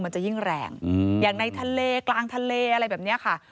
มันจะยิ่งแรงอย่างในทะเลกลางทะเลอะไรแบบนี้ค่ะ